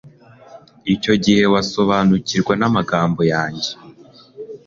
icyo gihe wasobanukirwa n'amagambo yanjye